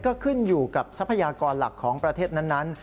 ก็ขึ้นอยู่กับทรัพยากรหลักของประเทศนั้น